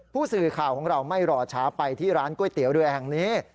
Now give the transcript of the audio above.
ผู้สื่อข่าวของเราไม่รอช้าไปที่ร้านก๋วยเตี๋ยวเรือแห่งนี้